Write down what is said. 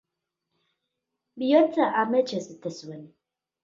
Bihotza ametsez bete zuen.